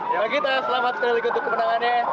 bapak gita selamat selalu untuk kemenangannya